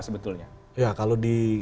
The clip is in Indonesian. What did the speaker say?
sebetulnya ya kalau di